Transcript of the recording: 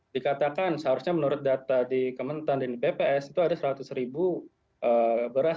dikatakan seharusnya menurut data di bps itu ada seratus ribu beras